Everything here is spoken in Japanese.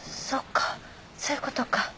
そっかそういうことか。